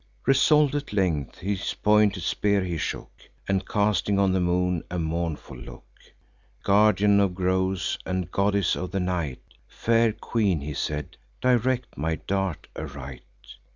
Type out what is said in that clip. Resolv'd at length, his pointed spear he shook; And, casting on the moon a mournful look: "Guardian of groves, and goddess of the night, Fair queen," he said, "direct my dart aright.